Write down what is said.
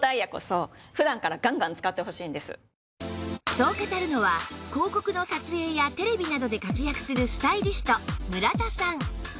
そう語るのは広告の撮影やテレビなどで活躍するスタイリスト村田さん